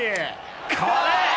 これ。